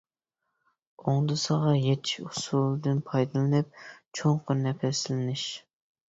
ئوڭدىسىغا يېتىش ئۇسۇلىدىن پايدىلىنىپ، چوڭقۇر نەپەسلىنىش.